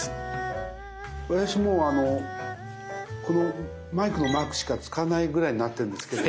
私もうこのマイクのマークしか使わないぐらいになってんですけど。